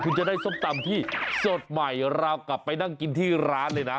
คุณจะได้ส้มตำที่สดใหม่เรากลับไปนั่งกินที่ร้านเลยนะ